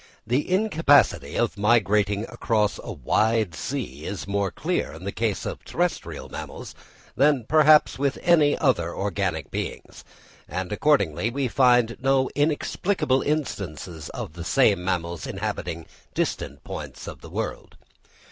The incapacity of migrating across a wide sea is more clear in the case of terrestrial mammals than perhaps with any other organic beings; and, accordingly, we find no inexplicable instances of the same mammals inhabiting distant points of the world.